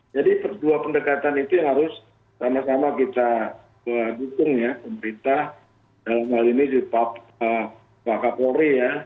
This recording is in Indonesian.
jadi dua pemberkatan itu yang harus sama sama kita dukung ya pemerintah dalam hal ini di baka polri ya